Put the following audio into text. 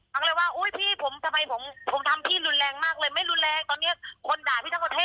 เขาก็เลยว่าอุ้ยพี่ผมทำไมผมทำพี่รุนแรงมากเลยไม่รุนแรงตอนนี้คนด่าพี่ทั้งประเทศ